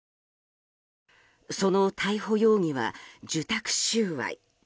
その逮捕容疑は、受託収賄。